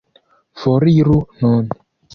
Foriru nun.